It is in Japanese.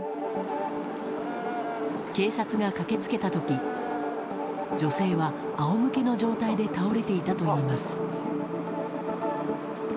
警察が駆け付けた時女性は仰向けの状態で倒れていたといいます。